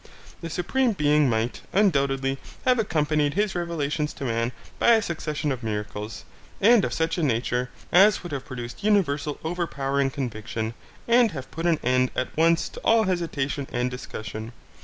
The Supreme Being might, undoubtedly, have accompanied his revelations to man by such a succession of miracles, and of such a nature, as would have produced universal overpowering conviction and have put an end at once to all hesitation and discussion.